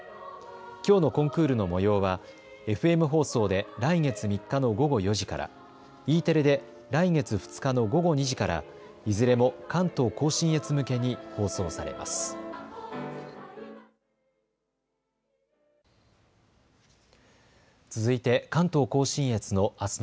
きょうのコンクールのもようはＦＭ放送で来月３日の午後４時から、Ｅテレで来月２日の午後２時からいずれも関東甲信越向けに放送されます。